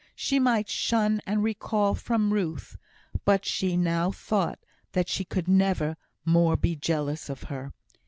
She might shun and recoil from Ruth, but she now thought that she could never more be jealous of her.